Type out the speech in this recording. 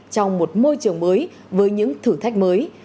trong một môi trường mới với những thử thách mới